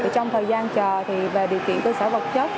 trong thời gian chờ về điều kiện cơ sở vật chất